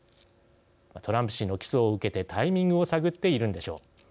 トランプ氏の起訴を受けてタイミングを探っているんでしょう。